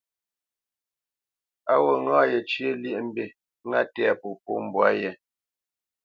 Á wût ŋâ yecə́ lyéʼmbî, ŋá tɛ̂ popó mbwǎ yé.